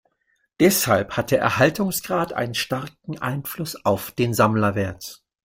Deshalb hat der Erhaltungsgrad einen starken Einfluss auf den Sammlerwert.